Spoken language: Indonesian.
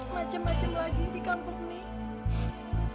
macem macem lagi di kampung nih